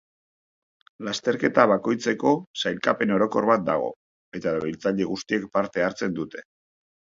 Lasterketa bakoitzeko sailkapen orokor bat dago, eta erabiltzaile guztiek parte hartzen dute.